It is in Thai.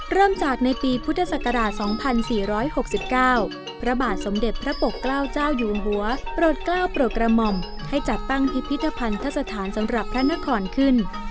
เริ่มจากในปีพุทธศักราช๒๔๖๙พระบาทสมเด็จพระปกเกล้าเจ้าอยู่หัวโปรดกล้าวโปรดกระหม่อมให้จัดตั้งพิพิธภัณฑสถานสำหรับพระนครขึ้น